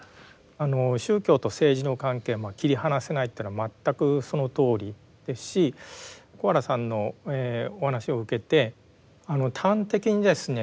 あの宗教と政治の関係まあ切り離せないっていうのは全くそのとおりですし小原さんのお話を受けて端的にですね